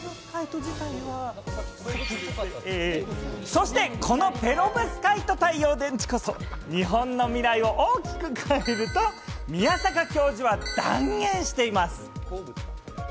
そして、このペロブスカイト太陽電池こそ日本の未来を大きく変えると、宮坂教授は断言しています。